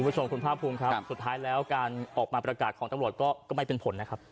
คุณผู้ชมคุณภาคภูมิครับสุดท้ายแล้วการออกมาประกาศของตำรวจก็ไม่เป็นผลนะครับ